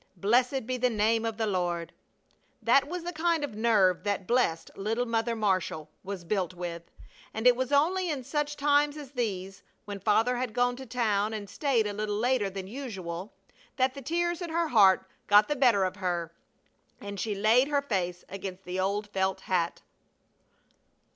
Blessed be the name of the Lord!" That was the kind of nerve that blessed little Mother Marshall was built with, and it was only in such times as these, when Father had gone to town and stayed a little later than usual, that the tears in her heart got the better of her and she laid her face against the old felt hat.